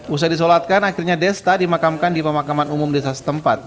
usai disolatkan akhirnya desta dimakamkan di pemakaman umum desa setempat